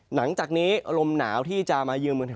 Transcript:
หลังจากนี้ลมหนาวที่จะมายืน